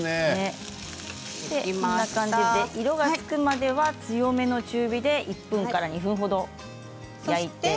色がつくまでは強めの中火で１分から２分ほど焼いて。